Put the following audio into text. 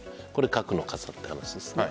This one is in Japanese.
核の傘という話です。